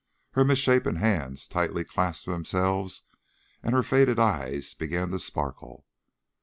Her misshapen hands tightly clasped themselves and her faded eyes began to sparkle.